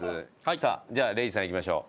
さあじゃあ礼二さんいきましょう。